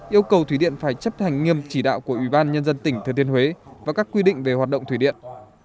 yêu cầu thủy điện phải chấp hành nghiêm chỉ đạo của ubnd tỉnh thừa thiên huế và các quy định về hoạt động thủy điện